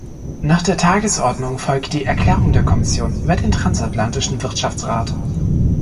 Nach der Tagesordnung folgt die Erklärung der Kommission über den Transatlantischen Wirtschaftsrat.